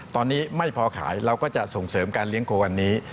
ตอนนี้ไม่พอขายเราก็จะส่งเสริมการเลี้ยงโควันนี้